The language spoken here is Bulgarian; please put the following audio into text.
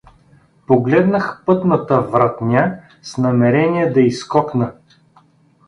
Погледнах пътната вратня с намерение да изскокна.